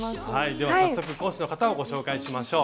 では早速講師の方をご紹介しましょう。